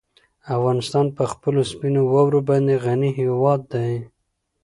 افغانستان په خپلو سپینو واورو باندې غني هېواد دی.